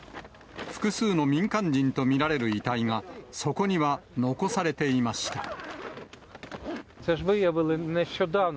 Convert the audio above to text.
複数の民間人と見られる遺体が、そこには残されていました。